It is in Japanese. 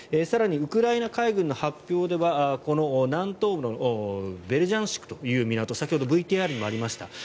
更にウクライナ海軍の発表では南東部のベルジャンシクという港先ほどＶＴＲにもありました。